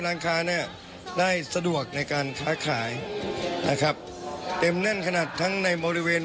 ร้านค้าเนี่ยได้สะดวกในการค้าขายนะครับเต็มแน่นขนาดทั้งในบริเวณ